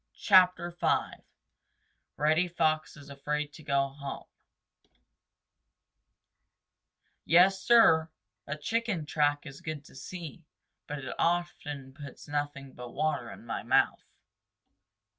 CHAPTER V Reddy Fox Is Afraid To Go Home Yes, Sir, a chicken track is good to see, but it often puts nothing but water in my mouth.